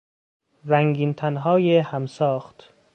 رنگینتنهای همساخت